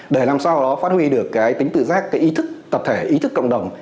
để làm sao đó phát huy được cái tính tự giác cái ý thức tập thể ý thức cộng đồng